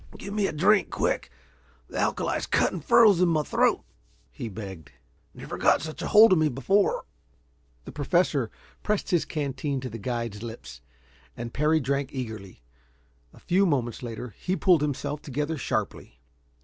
"Give me a drink, quick. The alkali's cutting furrows in my throat," he begged. "Never got such a hold of me before." The Professor pressed his canteen to the guide's lips, and Parry drank eagerly. A few moments later he pulled himself together sharply.